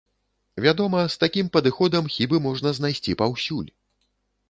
Вядома, з такім падыходам хібы можна знайсці паўсюль.